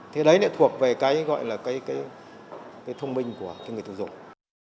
thì đấy lại thuộc về cái gọi là cái thông minh của cái người tiêu dùng